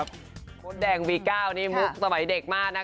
มดแดงวี๙นี่มุกสมัยเด็กมากนะคะ